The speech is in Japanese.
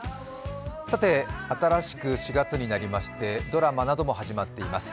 さて、新しく４月になりましてドラマなども始まっています。